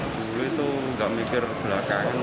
dulu itu nggak mikir belakang